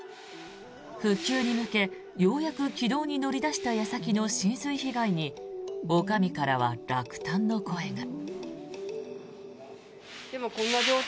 復旧に向けようやく軌道に乗り出した矢先の浸水被害におかみからは落胆の声が。